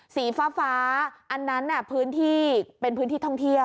สีฟ้าอันนั้นพื้นที่เป็นพื้นที่ท่องเที่ยว